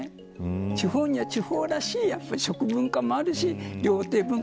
地方には地方らしい食文化もあるし、料亭文化